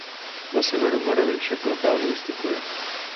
Na severu Moravy však lokálně ustupuje.